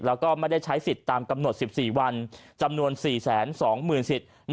แล้วก็ไม่ได้ใช้สิทธิ์ตามกำหนดสิบสี่วันจำนวนสี่แสนสองหมื่นสิบ